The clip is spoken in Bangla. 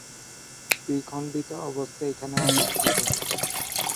দ্বিখণ্ডিত অবস্থা এখানে অনিশ্চিত।